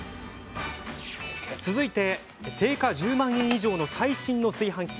続いて、定価１０万円以上の最新の炊飯器。